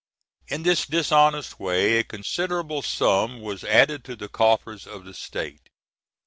In this dishonest way a considerable sum was added to the coffers of the state.